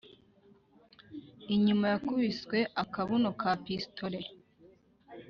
inyuma yakubiswe akabuno ka pisitole